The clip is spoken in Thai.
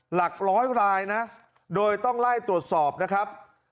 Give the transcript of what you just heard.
หลักร้อยรายนะโดยต้องไล่ตรวจสอบนะครับ